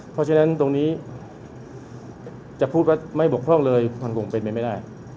เพราะฉะนั้นตรงนี้จะพูดว่าไม่บกพร่องเลยมันคงเป็นไปไม่ได้